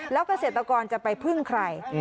แล้วเกษตรกรจะไปพึ่งใคร